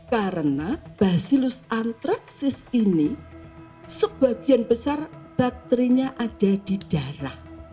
karena basilus antraksis ini sebagian besar bakterinya ada di darah